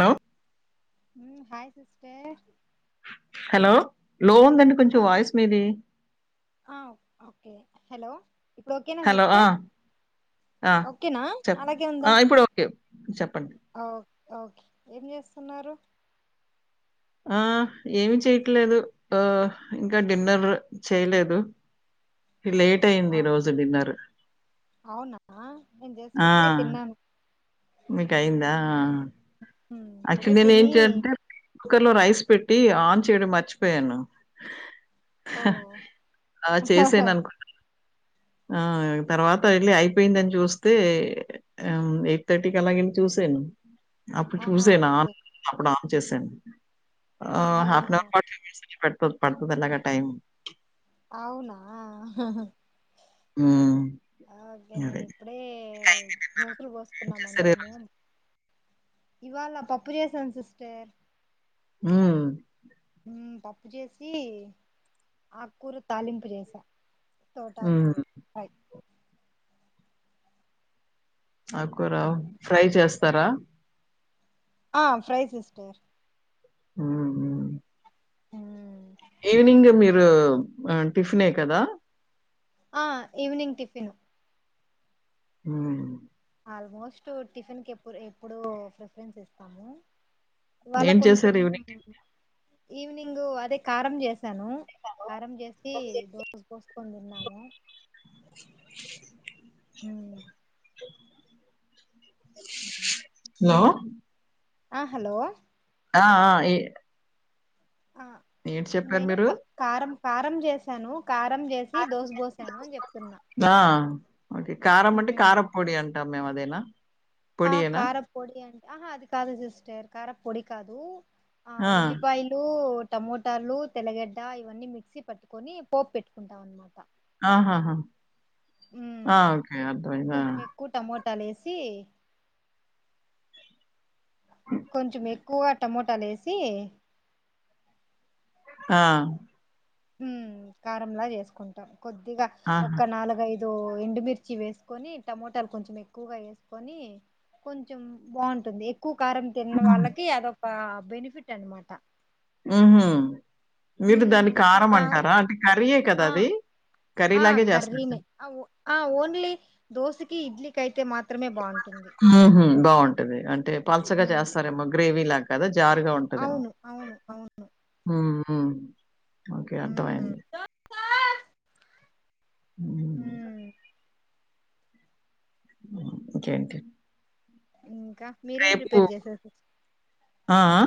Hello um hi sister hello low ఉందండి ఆ కొంచెం హె వాయిస్ మీది ఆ ఓకే హలో ఇప్పుడొకేనా హలో ఆ సిస్టర్ ఆ ఓకేనా చెప్ అలాగే ఆ ఉందా ఇప్పుడు ఓకే చెప్పండి అఒ ఓకే ఏం చేస్తున్నారు ఆ ఏమి చేయట్లేదు ఆ ఇంకా డిన్నర్ చేయలేదు లేట్ అయింది ఆ ఈరోజు డిన్నర్ అవునా నేన్ జస్ట్ ఇప్పుడే తిన్నను మీకయిందా మ్మ్ యక్చులీ ఇప్పుడే నేన్ ఏం తిని చెదమ్ కుక్కర్ లో రైస్ పెట్టి ఆన్ చేయడం మర్చిపోయాను ఓ హ అ చేసాను అనుకున్న ఆ తర్వాత ఏళ్ళి అయిపోయిందన్ చూస్తే అ ఎయిట్ థర్టీకి అలాగెల్ చూసి సాను అప్పుడ్ ఆహా చూసాను ఓకే అన్ అప్పుడ్ ఆన్ చేసాను అ ఆహా హాఫ్ అన్ ఆహా అవర్ ఆర్ టేన్ మినిట్స్ అయితే పడ్ పడ్ పడుతుంది ఎలాగైనా టైమ్ అవునా ఉమ్ ఓకే నేనిప్పుడే దోసల్ ఏం పోసుకున్నాం చేశారు ఈరోజు? అందరము ఇవాళ పప్పు చేషన్ సిస్టర్ ఉమ్ ఉమ్ పప్పు చేసి ఆకూరా తాలింపు చేసా టోటాకు హ్మ్. ఫ్రై ఆకురా మ్మ్ ఫ్రై చేస్తారా ఆ ఫ్రై సిస్టర్ ఉహు హ ఈవినింగ్ మీరు అ టిఫినే కదా ఆ ఈవనింగ్ టిఫిను ఉమ్ ఆల్మోస్ట్ టిఫిన్ కెప్పుర్ ఎప్పుడు ప్రిఫరెన్స్ ఇస్తాము ఇవాళ ఏం కొంచం చేశారు ఈవినింగ్? ఈవినింగు అదే కారం జేస్త సను కారం జేసి దోష్ కోస్కొన్ తిన్నాము. ఉమ్ అ అ హలో ఆ ఆ ఏ ఆ ఏంటి చెప్పారు నేను మీరు కారం కారం చేసాను కారం చేసి దోస పోసాను అని చెప్తున్నా ఆ! ఓకే కారం అంటే కారం పొడి అంటాం మేము అదేనా ఆ పొడియేనా? కారా పొడి అంటే ఆహా అది కాదు సిస్టర్ కారా పొడి కాదు ఆ ఉల్లిపాయలు టమోటాలు తెల్లగడ్డ ఇవన్నీ మిక్సీ పట్టుకొని పోపు పెట్టుకుంటాం అన్నమాట. ఆహాహా ఉమ్ ఆ ఓకే అర్థమయింది ఆ తనేసి కొంచెం ఎక్కువ టమోటాలు ఏసి ఆ ఉమ్ కారంలా చేసుకుంటాం కొద్దిగా ఆహా! ఒక నాలుగైదు ఇదో ఎండుమిర్చి వేసుకొని టమోటాలు కొంచెం ఎక్కువగా వేసుకొని కొంచెం బాగుంటుంది. ఎక్కువ కారం తిన్న హ్మ్. వాళ్ళకి అదొక బెనిఫిట్ అనమాట. ఉహు మీరు ఉమ్ దాన్ని ఇప్పుడు కారం కార అంటారా, అంటే కర్రీయే కదా ఆ అది. కర్రీ ఆ లాగే చేస్తారు కర్రీనే కదా! ఆ ఓన్లీ దోసకి ఇడ్లీ కయితే మాత్రమే బాగుంటు ఉహు బాగుంటది అంటే పల్సగా ఉమ్ చేస్తారేమో గ్రేవీ లాగా కదా జారుగా ఉంటదనమా అవును అవును అవును ఉహు ఓకే ఉమ్ అర్థమయంది హు ఉమ్ ఇంకేంటి ఇంకా మీరేం రేపు ప్రిపేర్ చేసారు ఆ అ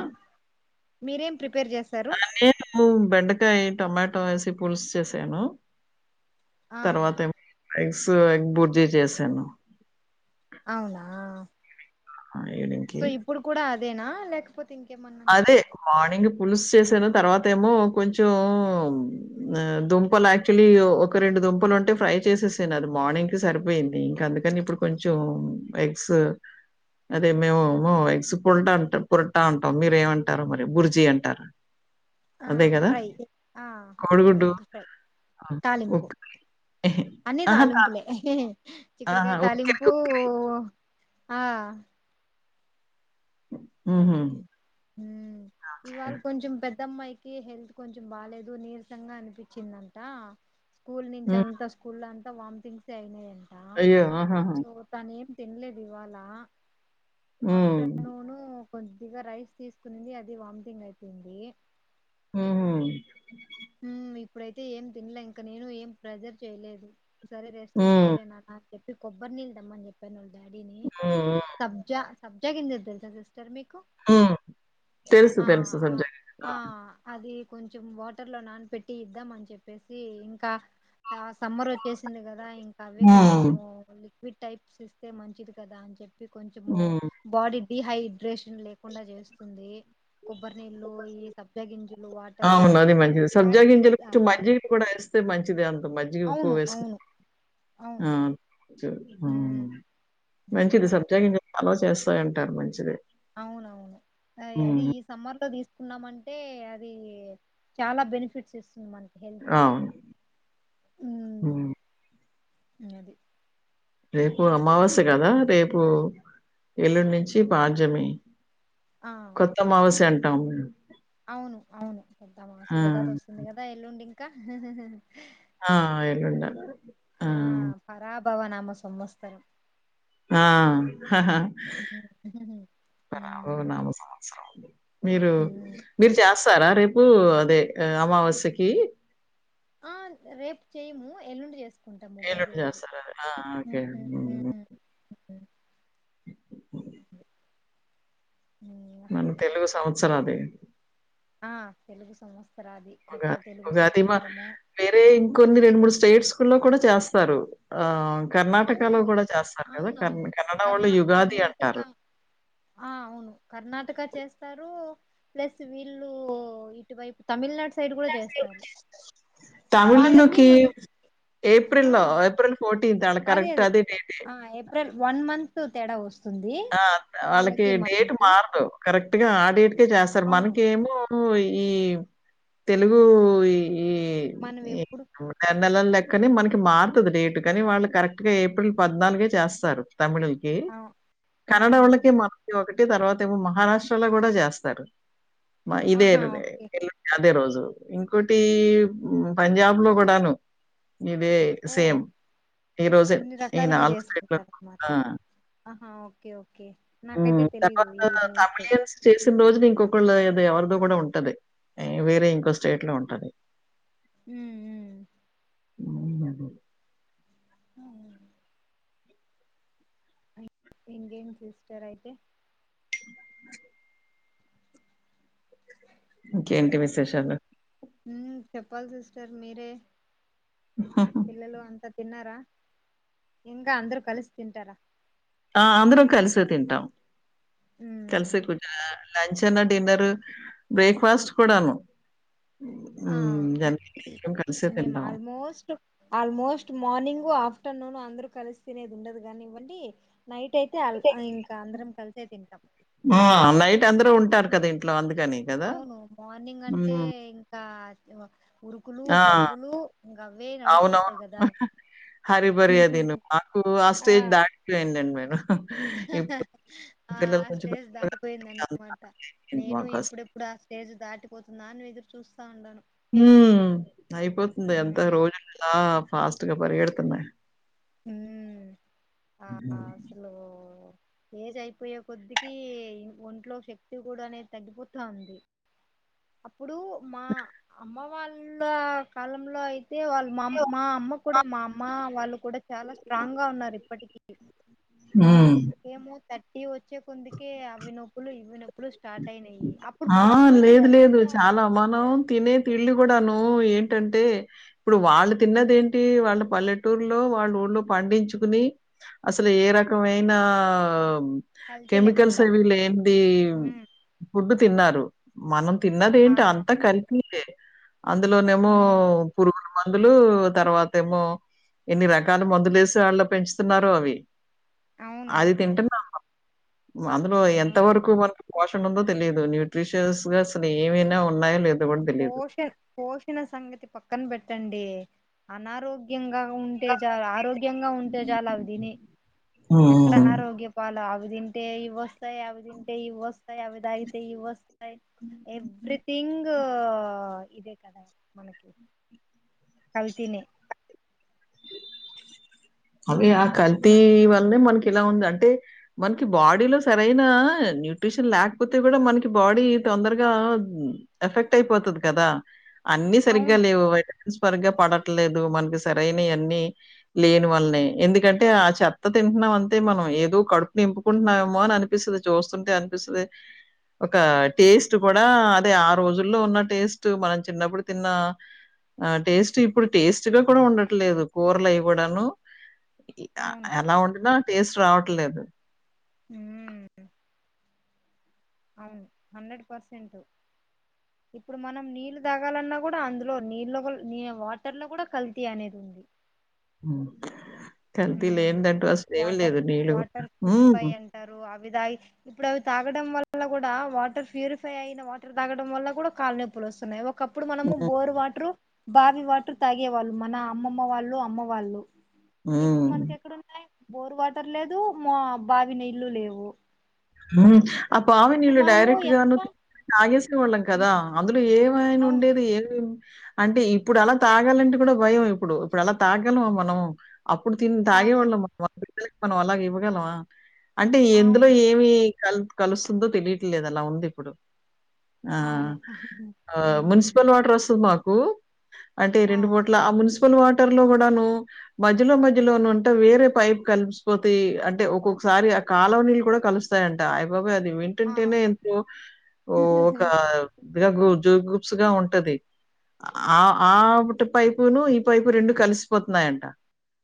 మీరేం ప్రిపేర్ చేశారు అ నేను బెండకాయ్, టమాటో వేసి పులుసు చేసాను. ఆ అంసో ఎగ్ బుర్జీ చేసాను అవునా ఆ! సో ఈవెనింగ్‌కి. ఇప్పుడు కూడా అదేనా లేక అదే మార్నింగ్ పులుసు సేసాను. తర్వాత ఏమో కొంచెం అ దుంపలు యాక్చువల్లి ఒక రెండు దుంపలు ఉంటే ఫ్రై చేసేసాను అది మార్నింగ్ కి సరిపోయింది. ఇంకా అందుకని ఇప్పుడు కొంచెం ఎగ్సు అదే మేము మొ ఎగ్సు కుల్డ్ కూరట అం మీరు ఏమంటారు మరి బుర్జీ అంటార ఆ ఫ్రై ఆ కోడిగుడ్డు. ఎగ్ ఫ్రై ఆ! తాలింపు ఉక్ అన్ని అహా! కాదు. తాలింపులే ఆహా! చిక్కుడుకాయ్ ఉక్కిరి తాలింపూ ఉక్కిరి. ఆ అది హుహు. ఉమ్ ఇవాళ కొంచెం పె ద్దమ్మాయికి హెల్త్ కొంచెం బాలేదు. నీరసంగా అనిపిచిందంట. స్కూల్ నుంచి హ్మ్. అంతా స్కూల్లో అంతా వామ్టింగ్స్ అయినయం అయ్యో ఆహాహా తినలేదు ఇవాలా హ్మ్. ఆఫ్టర్నూను కొద్దిగా రైస్ తీసుకుంది అది వామితింగ్ అయితుంది. ఉహు ఉ ఇప్పుడైతే ఏం తిన్లే ఇంక నేను ఏం ప్రెజర్ చేయలేదు. సరే రెస్ట్ హ్మ్. తీసుకోలే నాన్నా అని చెప్పి కొబ్బరి నీళ్లు తెమ్మని చెప్పాను డాడీని హ్మ్. హ్మ్. సబ్జా సబ్జా గింజలు తెలుసా సిస్టర్ మీ కు హ్మ్. తెలుసు. ఆ తెలుసు సబ్జా ఆ అది కొంచం వాట టర్లో నాన పెట్టి ఇద్దాం అని చెప్పేసి ఇంకా సమ్మర్ వచ్చేసింది కదా ఇంకా అవే కొంచెం హ్మ్. లిక్విడ్ టైప్స్ ఇస్తే మంచిది కదా అని చెప్పి కొంచెము హ్మ్. బాడీ డిహైడ్రేషన్ లేకుండా చేస్తుంది. కొబ్బరి నీళ్ళు, ఈ సబ్జా గింజలు, వాటరు అవును. మంచిది సబ్జా ఫ్లాక్ గింజలు సీడ్స్ ఆ, కొంచెం ఫ్లాక్ మజ్జిగ కూడా వేస్తే మంచిది. అంత మజ్జిగ ఉప్పు అవును వేసుకు అవును అవును మ్ ఉమ్, మ్ మంచిది అది సబ్జా గింజలు సలవ చేస్తాదంటారు మంచిదె అవునవును అ-అది ఈ సమ్మార్ లో తీసు కున్నామంటే అదీ చాలా బెనిఫిట్స్ ఇస్తుంది మనకి హెల్త్ కి అవును. మ్ హ్మ్. అది రేపు అమావాస్య కదా రేపు ఎల్లుడ్నుంచి పాడ్యమి ఆ కొత్తమవస అంటాము అవును అవును కొత్తమావాశ ఉగాది వస్తుంది కదా ఎల్లుండింకా ఆ యల్లుండ ఆ బవ నామ సంవత్సరం ఆ హ హ హ్మ్ భావ హ్మ్ నామ సంవత్సరం మీరు హ్మ్. మీరు చేస్తారా రేపు అదే అమావాస్యకి ఆ రేపు చెయము ఎల్లుండి చేస్త ఎల్లుండ చేస్తారా ఆ ఓకే హ్మ్, హ్మ్, మ్ హ్మ్. హ్మ్. మన తెలుగు సంవత్సరాది ఆ తెలుగు సంవస్త ఉగాది ఉగాది మా వేరే ఇంకొన్ని రెండు మూడు స్టేట్స్ లో కూడా చేస్తారు ఆహ్ కర్ణాటక అవును లో కూడా చేస్తారు కదా అవునవును క-కన్నడ వాళ్ళు యుగాది అంటారు ఆహ్ అవును కర్ణా టక చేస్తారు ప్లస్ వీళ్ళు ఇటువైపు తమిళనాడు సైడ్ తమిళనాడు సైడ్ కూడా చేస్తారు చేస్తారు వాళ్ళకి తమిళ్లునుకి మనకి ఏప్రిల్ ఆ లో ఏప్రిల్ ఫోర్ అదే అదే అదే ఆ ఏప్రిల్ వన్ మంత్ తేడా వస్తంది ఆ వాళ్ళకి డేట్ మారదు కరెక్ట్ గా ఆ డేట్కే చేస్తారు అవును మనకేమో హో ఈ తెలుగూ ఈ మనమేప్పుడు నెలలు లెక్కని మనకి మారుతది డేట్ కాని వాళ్ళు కరెక్ట్ గా ఏప్రిల్ పద్నాల్గే చేస్తారు తమిళుళ్కి ఆ ఆ కన్నడోళ్ళకి మకు ఒకటి తర్వాత ఏమో మహారాష్ట్రలో కూడా చేస్తారు ఇదే ఆహా ఎల్లుండి ఓకే అదే రోజు ఇంకోటి పంజాబ్ లో కూడాను ఇదే ఓ సేమ్ ఈరోజు ఇన్ని ఈ రకాలుగా నాలుగు స్టేట్లకు ఆ ఆ ఓకే ఓకే నాకైతే తెలీదు ఈ తర్వాత న్యూస్ తమిళియన్స్ చేసిన రోజునే ఇంకొకళ్ళ ఎవరిదో గూడా ఉంటది వేరే ఇంకో స్టేట్ లో ఉంటది మ్ మ్ మ్ హ్మ్ హ్మ్ మ్ ఇంకేం సిస్టర్ అయితే ఇంకేంటి విశేషాలు మ్ చెప్పాలి సిస్టర్ మీరే పిల్లలు అంతా తిన్నారా ఇంగ అందరు కలిసి తింటార ఆ అందరం కలిసే తింటాం ఉమ్ కలిసే కుడా లంచ్ అన్నా డిన్నర్ బ్రేక్ఫాస్ట్ కూడాను ఆ ఉమ్ అందరం కలిసే మేము తింటం ఆల్మోస్ట్ ఆల్మోస్ట్ మార్నింగ్ ఆఫ్టరనూన్ అందరు కలిసి తినేది ఉండదు గాని ఇవ్వండి నైట్ ట్ అయితే ల్ ఇంకా అందరం కలిసే తింటాం టారు కదా ఇంట్లో అందుక్ అవును మార్నింగ్ అంటే ఇంకా ఉరుకులు ఆ! పరుగులు ఇంకా అవే నడుస్తాయి గదా హరి భరి తిన్నాము మాకు ఆ స్టేజ్ దాటిపోయిందండి మేను హ హ ఆ స్టేజ్ పెద్దోళ్ళు కాబట్టి అంత దాటిపోయిందన్నమాట అయిపోయింది నేను మాకు ఆ స్టేజ్. ఎప్పుడెప్పుడు ఆ తెజ్ దాటిపోతుందా అన్ని ఎదురు చూస్తా ఉండాను హ్మ్ అయిపోతుంది ఎంత రోజులులా ఫాస్ట్ గా పరిగెడుతున్నాయి హ్మ్ ఆ అసలు ఏజ్ అయిపోయే కొద్దికి ఇంక్ ఒంట్లో శక్తి గూడ అనేది తగ్గిపోతా ఉంది ప్పుడు మా అమ్మ వాళ్ళ కాలంలో అయి తే వాళ్ళు మామ్ మా అమ్మ కూడా మా అమ్మ వాళ్ళు కూడా చాలా స్ట్రాంగ్ గా ఉన్నారు ఇప్పటికి హ్మ్. మాకేమో థర్టీ వొచ్చే కొందుకే అవి నొప్పులు ఇవి నొప్పులు స్టార్ట్ అయినాయి అప్పుడు ఆ ఫుడ్ కూడా లేదు లేదు బాగుంటా చాలా ఉంది మనం తినే తిళ్లి గూడ నువ్వు ఏం టంటే ఇప్పుడు వాళ్ళు తిన్నదేంటి వాళ్ళ పల్లెటూర్లో వాళ్ళ ఊళ్ళో పండించుకుని అసలు ఏ రకమైన కల్తీ కెమికల్స్ లేకుండా అవి లేంది ఉమ్, ఫుడ్ తిన్నారు మనం ఆ, తిన్నదేంటి అంతా కల్తీ దే అందులో నేమో ఉమ్, పురుగులు మందులు తర్వాత ఏమో ఇన్ని రకాలు మందులు ఏసీ వాళ్ళ పెంచుతున్నారొ అవి అవును అది తింటున్నాం మనం అందులో ఎంత ఆ వరకు మన పోషణ ఉందో తెలియదు న్యూట్రిషియస్ గా అసలు ఏమైనా ఉన్ పోషణ పోషణ సంగతి పక్కన పెట్టండి అనారోగ్యం గ ఉంటే చ ఆరోగ్యంగా ఉంటే చాల అవి తిని ఎక్కడ హ్మ్. అనారోగ్యపాల అవి తింటే ఇవి వొస్తాయి అవి తింటే ఇవి వొస్తాయి అవి తాగితే ఇవి వొస్తాయ్ ఎవ్రీథింగ్ ఇదే కదా మనకి కల్తీనే అదే ఆ కల్తీ మ వల్నే మనక్ ఇలా ఉంది అంటే మనకి బాడీలో సరైన న్యూట్రిషన్ లేకపోతే గూడ మనకి బాడీ తొందరగా ఎఫెక్ట్ అయిపోతది కదా అన్ని సరిగ్గా అవును లేవు వైటమిన్స్ పరిగ్గా పడట్లేదు మనకి సరైనైవివన్నీ లేని వల్ల ఎందుకంటే ఆ చెత్త తింటన్నాం అంతే మనం ఏదో కడుపు నింపుకుంటున్నేమో అని అనిపిస్తది చూస్తుంటే అనిపిస్తదే ఒక టేస్ట్ కూడా అదే ఆ రోజుల్లో ఉన్న టేస్ట్ మనం చిన్నప్పుడు తిన్న ఆ టేస్ట్ ఇప్పుడు టేస్ట్ గా కూడా ఉండట్లేదు కూర్లు అయ్ గూడ ను ఇ ఆ అవును ఎలా వొండిన టేస్ట్ రావట్లేదు ఉమ్ అవును హండ్రెడ్ పర్సెంటు ఇప్పుడు మనం నీళ్లు తాగాలన్నా గూడ అందులో నీళ్లో గుల్ ని వాటర్ లో గూడ కల్తీ అనేది ఉంది కల్తీ హ్మ్ లేందంటూ అసలు ఏమి వాటర్ లేదు నీళ్లు వాటర్ ఉ ప్యూరిఫై అంటారు అవి తగ్గి ఇప్పుడు అవి తాగడం వల్ల గూడ వాటర్ ప్యూరిఫై అయిన వాటర్ తాగడం వల్ల గూడ కాలు నొప్పు వొస్తున్నాయి ఒకప్పుడు మనము హ్మ్. బోర్ వాటర్ బావి వాటర్ తాగేవాళ్ళు మన అమ్మమ్మ వాళ్ళు అమ్మ వాళ్ళు ఇప్పుడు హ్మ్. మనక ఎక్కడ ఉన్నాయి బోర్ వాటర్ లేదు మా బావి నీళ్లు లేవు ఉమ్ ఆ పావి ఇప్పుడు నీళ్ళు మనము డైరెక్ట్ గాను ఎంత తి తాగేస్నవాళ్ళం కదా అందులో ఏం యినా అవును ఉండేది ఏ అంటే ఇప్పుడు అలా తాగాలంటే కూడా భయం ఇప్పుడు ఇప్పుడు అలా తగ్గాలమా మనం అప్పుడు తిన్ తాగలేం తాగేవోళ్ళం మనం మనం అలాగ ఇవ్వగలవా అంటే ఎందులో అవును ఏమి క కలుస్తుందో తెలిట్లేదు అలా ఉంది ఇప్పుడు ఆ అవును అ హ్మ్ మున్సిపల్ వాటర్ వస్తది మాకు అంటే ఆ రెండుబూట్ల ఆ మున్సిపల్ వాట్ వాటర్ లో గూడాను మధ్యలో మధ్యలో నుంటే వేరే పైప్ కలిపిసిపోతాయి అంటే ఒక్కొక్కసారి కాలవనీళ్లు కూడా కలుస్త స్తయంటా అయిబాబాయ్ అది ఆ వింటుంటేనే ఎంతో ఓ ఒకా గ్రాగు జోగూప్స్ గా ఉంటది ఆ ఆవుటు పైపును ఈ పైపు రెండు కలిసిపోతున్నాయంట